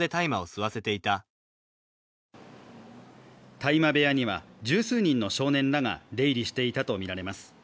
大麻部屋には十数人の少年らが出入りしていたとみられます。